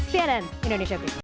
cnn indonesia tv